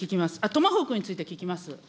トマホークについて聞きます。